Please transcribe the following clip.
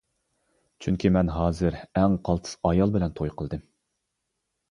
چۈنكى مەن ھازىر ئەڭ قالتىس ئايال بىلەن توي قىلدىم.